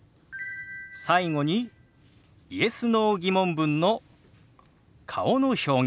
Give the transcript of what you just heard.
最後にＹｅｓ／Ｎｏ−疑問文の顔の表現。